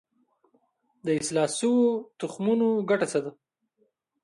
د اصلاح شویو تخمونو ګټه څه ده؟